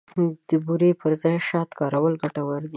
د بوري پر ځای شات کارول ګټور دي.